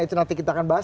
itu nanti kita akan bahas